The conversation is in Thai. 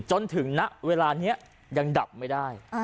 จนถึงณเวลานี้ยังดับไม่ได้